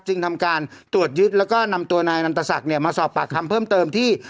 ทำการตรวจยึดแล้วก็นำตัวนายนันตศักดิ์เนี่ยมาสอบปากคำเพิ่มเติมที่